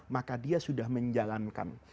maka dia sudah menjalankan